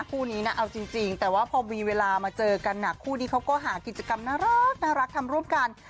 คู่นี้นะเอาจริงแต่ว่าพอมีเวลามาเจอกันคู่นี้เขาก็หากิจกรรมน่ารักทำร่วมกัน